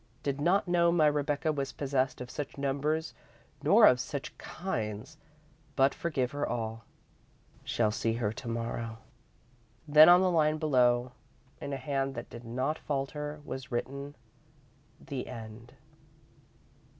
Did not know my Rebecca was possessed of such numbers nor of such kinds, but forgive her all. Shall see her to morrow." Then, on the line below, in a hand that did not falter, was written: "The End."